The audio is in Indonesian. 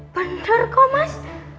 benar kok mas